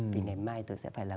vì ngày mai tôi sẽ phải là